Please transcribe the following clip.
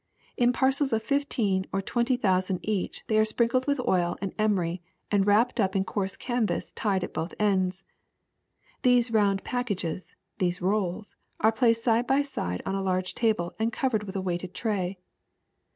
In parcels of fifteen or twenty thousand each they are sprinkled with oil and emery and wrapped up in coarse canvas tied at both ends. These round packages, these rolls, are placed side by side on a large table and covered with a weighted tray.